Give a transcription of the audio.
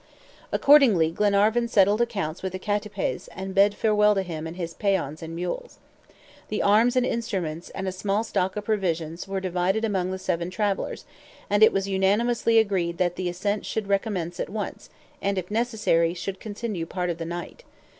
Accordingly, Glenarvan settled accounts with the CATAPEZ, and bade farewell to him and his PEONS and mules. The arms and instruments, and a small stock of provisions were divided among the seven travelers, and it was unanimously agreed that the ascent should recommence at once, and, if necessary, should continue part of the night.